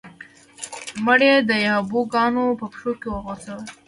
مړی یې د یابو ګانو په پښو کې وغورځاوه.